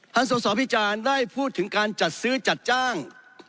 สอสอพิจารณ์ได้พูดถึงการจัดซื้อจัดจ้าง